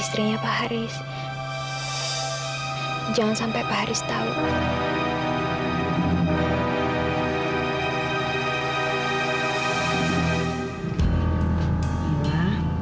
sampai jumpa di video selanjutnya